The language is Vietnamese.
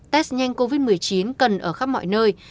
test nhanh covid một mươi chín cần ở khắp mọi nơi